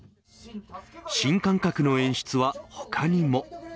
新感覚の演出は他にも。